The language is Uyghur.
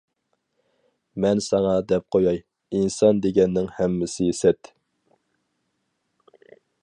مەن ساڭا دەپ قوياي، ئىنسان دېگەننىڭ ھەممىسى سەت.